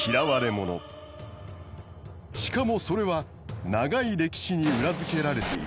しかもそれは長い歴史に裏付けられている。